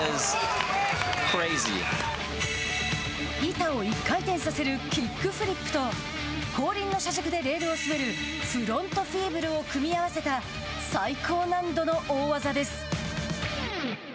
板を１回転させるキックフリップと後輪の車軸でレールを滑るフロントフィーブルを組み合わせた最高難度の大技です。